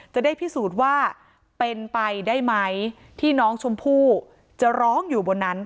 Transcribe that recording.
จะได้พิสูจน์ว่าเป็นไปได้ไหมที่น้องชมพู่จะร้องอยู่บนนั้น